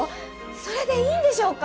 それでいいんでしょうか？